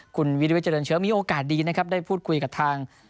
คุณวิริวิทเจริญเชื้อมีโอกาสดีนะครับได้พูดคุยกับทาง